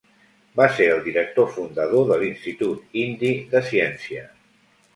Va ser el director fundador de l'Institut indi de ciència.